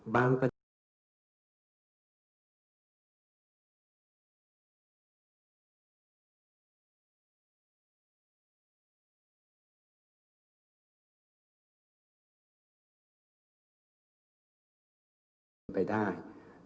แล้วจะมีออกไปได้